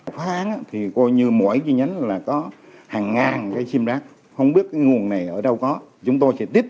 khoán thì coi như mỗi chi nhánh là có hàng ngàn cái sim rác không biết cái nguồn này ở đâu có